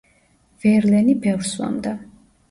ვერლენი ბევრს სვამდა.